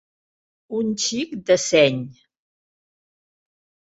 Un xic de seny.